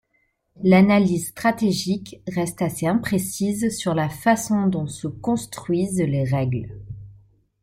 L'analyse stratégique reste assez imprécise sur la façon dont se construisent les règles.